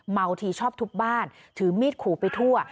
ทีชอบทุบบ้านถือมีดขู่ไปทั่ว